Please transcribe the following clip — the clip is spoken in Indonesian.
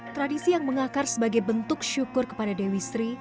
tradisi yang mengakar sebagai bentuk syukur kepada dewi sri